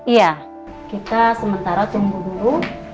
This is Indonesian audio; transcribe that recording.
iya kita sementara tunggu dulu